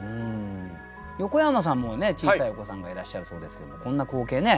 横山さんも小さいお子さんがいらっしゃるそうですけどもこんな光景ね